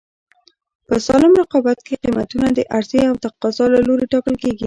په سالم رقابت کې قیمتونه د عرضې او تقاضا له لورې ټاکل کېږي.